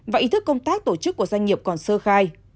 và ý thức công tác tổ chức của doanh nghiệp còn sơ khai